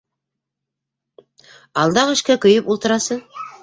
Алдағы эшкә көйөп ултырасы!